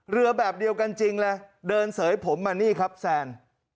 เรือแบบเดียวกันจริงเลยเดินเสยผมมานี่ครับแซน